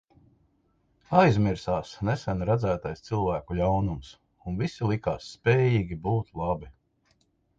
Aizmirsās nesen redzētais cilvēku ļaunums, un visi likās spējīgi būt labi.